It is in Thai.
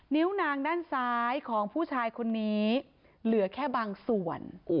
นิ้วนางด้านซ้ายของผู้ชายคนนี้เหลือแค่บางส่วน